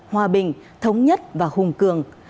hòa bình thống nhất và hùng cường